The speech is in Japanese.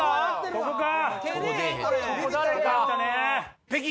ここか。